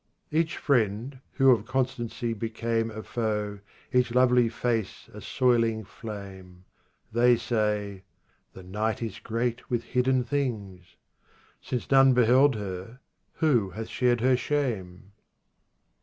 30 Each friend who spoke of constancy became A foe, each lovely face a soiling flame. They say, " The night is great with hidden things." Since none beheld her, who hath shared her shame